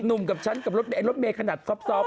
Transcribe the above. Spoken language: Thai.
กับฉันกับรถเมย์ขนาดซอบ